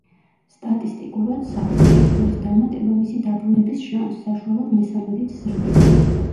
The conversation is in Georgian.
სტატისტიკურად, საფულეში ფულის დამატება მისი დაბრუნების შანსს, საშუალოდ მესამედით ზრდიდა.